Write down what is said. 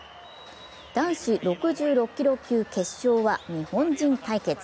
男子６６キロ級決勝は日本人対決。